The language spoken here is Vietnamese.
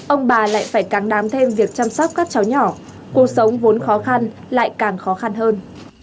ông bà lại phải càng đám thêm việc chăm sóc các cháu nhỏ cuộc sống vốn khó khăn lại càng khó khăn hơn